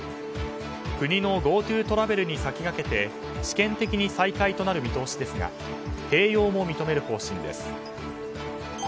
国のＧｏＴｏトラベルに先駆けて試験的に再開となる見通しですが併用も認める方針です。